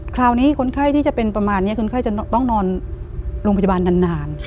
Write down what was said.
คราวนี้คนไข้ที่จะเป็นประมาณนี้คนไข้จะต้องนอนโรงพยาบาลนาน